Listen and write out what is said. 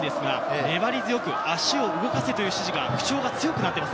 粘り強く、足を動かせという指示が、口調が強くなっています。